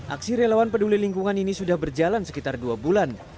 aksi relawan peduli lingkungan ini sudah berjalan sekitar dua bulan